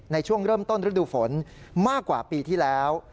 ในช่วงเริ่มต้นฤดูฝนมากกว่าปีที่แล้ว